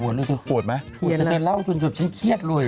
ปวดไหมโทษนะครับปวดนะครับฉันเต็นเหล้าจนสุดฉันเครียดเลย